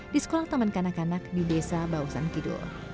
di sekolah taman kanak kanak di desa bausan kidul